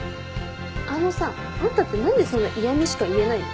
あのさあんたって何でそんな嫌みしか言えないの？